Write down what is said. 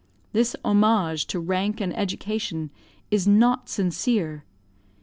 This homage to rank and education is not sincere.